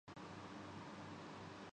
اس گاڑی میں کوئی جگہ نہیں